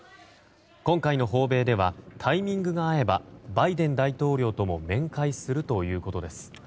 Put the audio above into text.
今回の訪米ではタイミングが合えばバイデン大統領とも面会するということです。